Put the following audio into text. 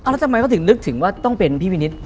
แล้วทำไมเขาถึงนึกถึงว่าต้องเป็นพี่วินิต